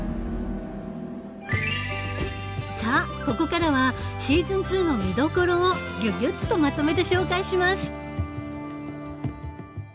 さあここからはシーズン２の見どころをギュギュッとまとめて紹介します。